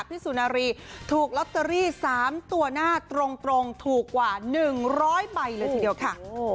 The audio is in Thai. สุนารีถูกลอตเตอรี่๓ตัวหน้าตรงถูกกว่า๑๐๐ใบเลยทีเดียวค่ะ